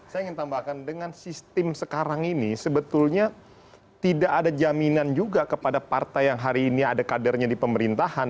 saya ingin tambahkan dengan sistem sekarang ini sebetulnya tidak ada jaminan juga kepada partai yang hari ini ada kadernya di pemerintahan